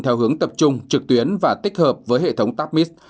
theo hướng tập trung trực tuyến và tích hợp với hệ thống tapmis